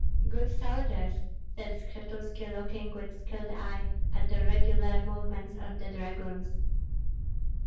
"Good soldiers," said Skshetuski, looking with skilled eye at the regular movements of the dragoons.